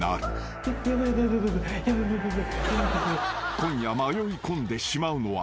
［今夜迷いこんでしまうのは］